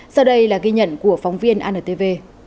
sau đây là ghi nhận của phóng viên antv